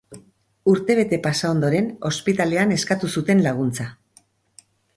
Urtebete pasa ondoren ospitalean eskatu zuten laguntza.